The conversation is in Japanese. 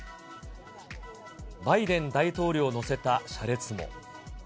バイデン大統領を乗せた車列も。